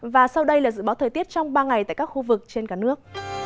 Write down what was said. và sau đây là dự báo thời tiết trong ba ngày tại các khu vực trên cả nước